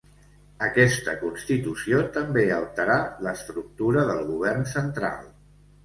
Aquesta constitució també alterà l'estructura del govern central.